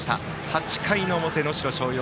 ８回の表、能代松陽